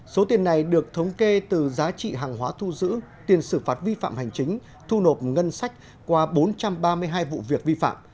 số tiền này được thống kê từ giá trị hàng hóa thu giữ tiền xử phạt vi phạm hành chính thu nộp ngân sách qua bốn trăm ba mươi hai vụ việc vi phạm